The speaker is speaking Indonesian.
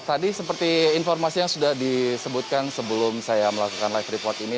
tadi seperti informasi yang sudah disebutkan sebelum saya melakukan live report ini